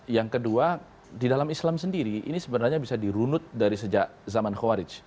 yang kedua di dalam islam sendiri ini sebenarnya bisa dirunut dari sejak zaman khawarij